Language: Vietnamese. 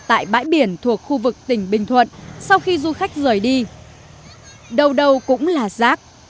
tại bãi biển thuộc khu vực tỉnh bình thuận sau khi du khách rời đi đâu đâu cũng là rác